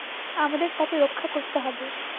আমাদের তাকে রক্ষা করতে হবে!